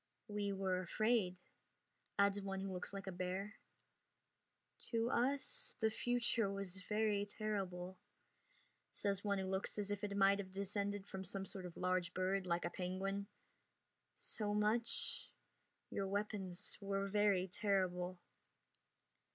"We were afraid," adds one who looks like a bear. "To us the future was very terrible," says one who looks as if it might have descended from some sort of large bird like a penguin. "So much Your weapons were very terrible."